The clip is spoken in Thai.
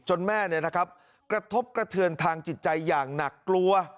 แม่กระทบกระเทือนทางจิตใจอย่างหนักกลัว